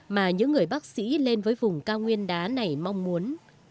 mà những người bác sĩ lên với vùng cao nguyên đá này mong muốn